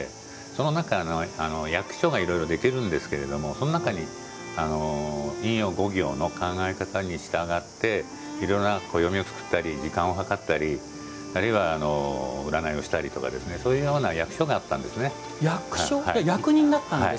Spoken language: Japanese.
その中、役所がいろいろできるんですけどその中に陰陽五行の考え方にそっていろんな暦を作ったり時間を計ったりあるいは占いをしたりとかそういうような役所があったんですね。